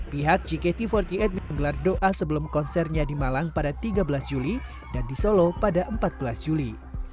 pihak gkt empat puluh delapan menggelar doa sebelum konsernya di malang pada tiga belas juli dan di solo pada empat belas juli